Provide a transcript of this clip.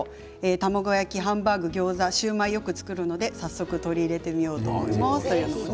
卵焼き、ハンバーグ、ギョーザシューマイをよく作るので早速取り入れてみようと思います。